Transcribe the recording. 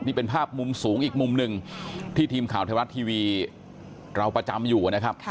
นี่เป็นภาพมุมสูงอีกมุมหนึ่งที่ทีมข่าวไทยรัฐทีวีเราประจำอยู่นะครับ